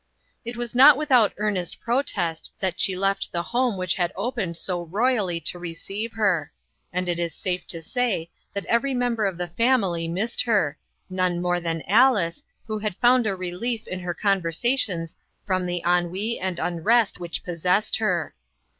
It was not without earnest protest that she left the home which had opened so royally to receive her; and it is safe to say that every member of the family missed her , none more than Alice, who had found a relief in her conversations from the ennui and unrest which possessed her.